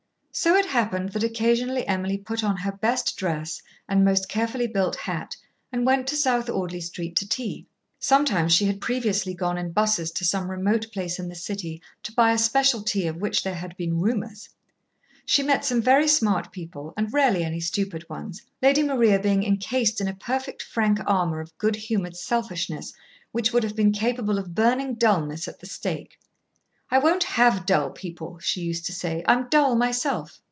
So it happened that occasionally Emily put on her best dress and most carefully built hat and went to South Audley Street to tea. (Sometimes she had previously gone in buses to some remote place in the City to buy a special tea of which there had been rumours.) She met some very smart people and rarely any stupid ones, Lady Maria being incased in a perfect, frank armour of good humoured selfishness, which would have been capable of burning dulness at the stake. "I won't have dull people," she used to say. "I'm dull myself."